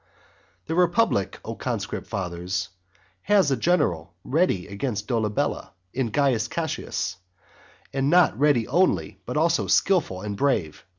XIV. The republic, O conscript fathers, has a general ready against Dolabella, in Caius Cassius, and not ready only, but also skilful and brave.